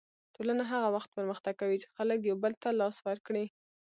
ټولنه هغه وخت پرمختګ کوي چې خلک یو بل ته لاس ورکړي.